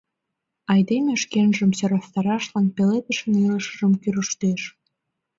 Айдеме шкенжым сӧрастарашлан пеледышын илышыжым кӱрыштеш...